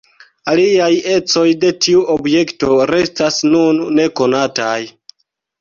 Aliaj ecoj de tiu objekto restas nun nekonataj.